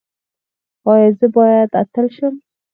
ایا زه باید اتل شم؟